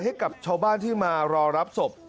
ให้กับชาวบ้านที่มารอรับศพ